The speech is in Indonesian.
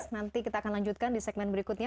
nanti kita akan lanjutkan di segmen berikutnya